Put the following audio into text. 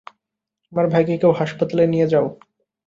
আমার ভাইকে কেউ হাসপাতালে নিয়ে যাও?